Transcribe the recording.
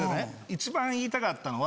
一番言いたかったのは。